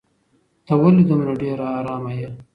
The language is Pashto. ته ولې دومره ډېره ارامه یې؟